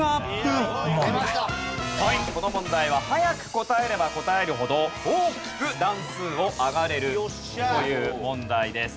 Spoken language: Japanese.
この問題は早く答えれば答えるほど大きく段数を上がれるという問題です。